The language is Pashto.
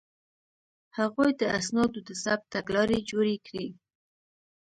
هغوی د اسنادو د ثبت تګلارې جوړې کړې.